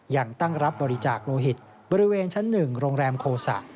ยังตั้งรับบริจาคโลหิตบริเวณชั้น๑โรงแรมโคสะ